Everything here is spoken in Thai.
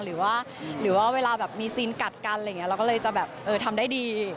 หรือว่าเวลามีซีนกัดกันเราก็เลยจะทำได้ดี